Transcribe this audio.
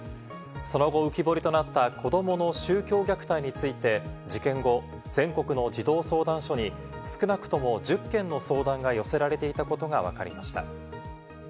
その後、浮き彫りとなった子どもの宗教虐待について、事件後、全国の児童相談所に少なくとも１０件の相談が寄せられていたことがわかりました。